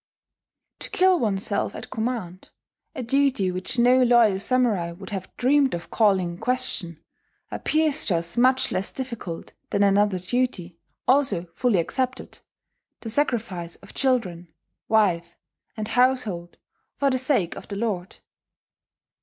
To kill oneself at command a duty which no loyal samurai would have dreamed of calling in question appears to us much less difficult than another duty, also fully accepted: the sacrifice of children, wife, and household for the sake of the lord.